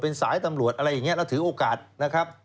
เป็นสายตำรวจอะไรอย่างนี้แล้วถือโอกาสนะครับ